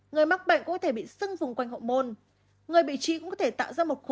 người mắc bệnh có thể bị sưng vùng quanh hậu môn